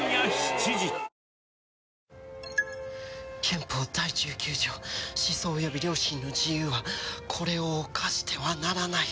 憲法第十九条思想及び良心の自由はこれを侵してはならない。